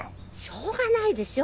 しょうがないでしょ